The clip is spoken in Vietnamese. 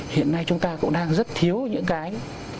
hiện nay chúng ta cũng đang rất thiếu những cái